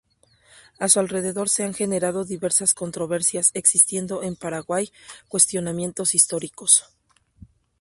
A su alrededor se han generado diversas controversias, existiendo en Paraguay cuestionamientos históricos.